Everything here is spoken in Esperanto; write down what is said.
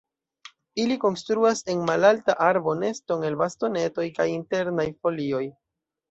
Ili konstruas en malalta arbo neston el bastonetoj kaj internaj folioj.